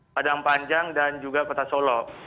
padang panjang dan juga kota solo